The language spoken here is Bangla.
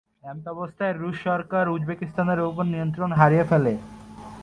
এমতাবস্থায় রুশ সরকার উজবেকিস্তানের ওপর নিয়ন্ত্রণ হারিয়ে ফেলে।